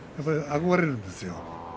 憧れるんですよ。